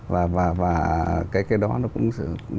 và cái đó nó cũng sẽ